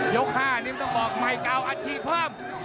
ยก๕นิ้มต้องบอกไมค์๙อันชีพเพิ่ม